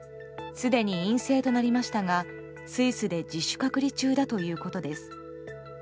すでに陰性となりましたがスイスで自主隔離中だということです。